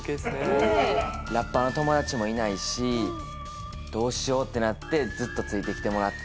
ラッパーの友達もいないしどうしようってなってずっとついてきてもらって。